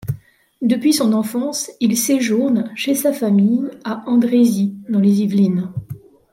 Depuis son enfance, il séjourne chez sa famille à Andrésy dans les Yvelines.